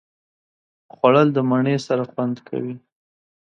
خوړل د مڼې سره خوند کوي